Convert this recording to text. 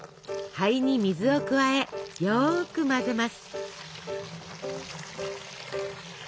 灰に水を加えよく混ぜます。